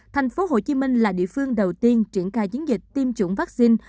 thành phố hồ chí minh là địa phương đầu tiên triển khai chiến dịch tiêm chủng vaccine